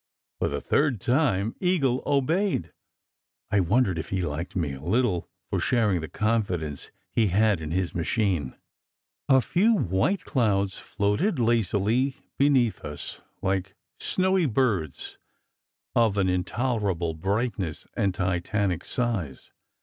For the third time Eagle obeyed. I wondered if he liked me a little for sharing the confidence he had in his machine. A few white clouds floated lazily beneath us, like snowy birds of an intolerable brightness and titanic size.